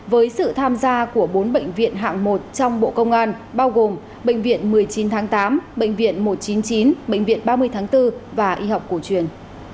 với sự tham gia của bốn bệnh viện hạng một trong bộ công an bao gồm bệnh viện một mươi chín tháng tám bệnh viện một trăm chín mươi chín bệnh viện ba mươi tháng bốn và y học cổ truyền